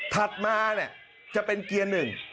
ถัดมาจะเป็นเกียร์๑